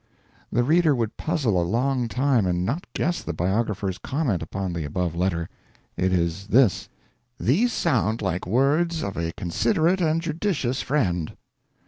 The reader would puzzle a long time and not guess the biographer's comment upon the above letter. It is this: "These sound like words of A considerate and judicious friend."